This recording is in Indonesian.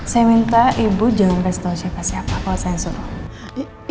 saya minta ibu jangan kasih tahu siapa siapa kalau saya suruh